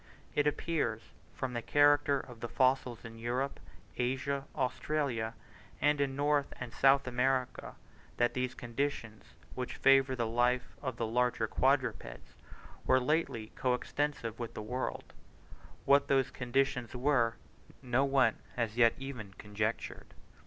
It appears from the character of the fossils in Europe, Asia, Australia, and in North and South America, that those conditions which favour the life of the larger quadrupeds were lately co extensive with the world: what those conditions were, no one has yet even conjectured.